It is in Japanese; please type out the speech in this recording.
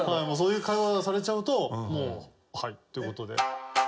もうそういう会話がされちゃうともう「はい」って事で。